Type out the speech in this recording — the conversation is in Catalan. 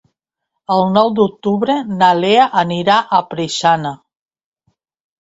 El nou d'octubre na Lea irà a Preixana.